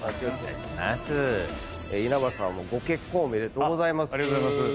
稲葉さんご結婚おめでとうございます。